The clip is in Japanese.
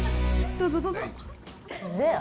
どうぞどうぞゼア？